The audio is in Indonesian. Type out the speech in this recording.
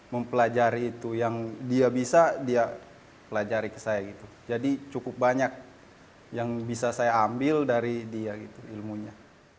mempelajari itu yang dia bisa dia pelajari ke saya gitu jadi cukup banyak yang bisa saya ambil dari dia gitu ilmunya